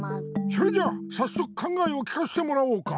それじゃあさっそくかんがえをきかしてもらおうか。